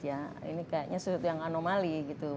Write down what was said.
ini kayaknya sesuatu yang anomali